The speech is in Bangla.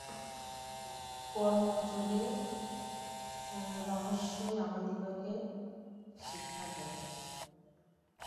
কর্মযোগ রহস্যই আমাদিগকে শিক্ষা দেয়।